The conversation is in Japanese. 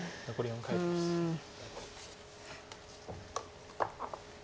うん。